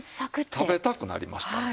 食べたくなりましたね。